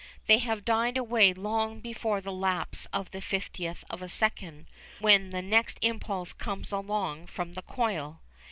They have died away long before the lapse of a fiftieth of a second, when the next impulse comes along from the coil.